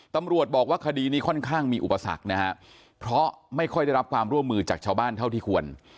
ตำรวจบอกว่าคดีนี้ค่อนข้างมีอุปสรรคนะฮะเพราะไม่ค่อยได้รับความร่วมมือจากชาวบ้านเท่าที่ควร